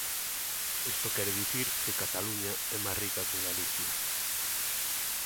Esto quere dicir que Cataluña é máis rica que Galicia.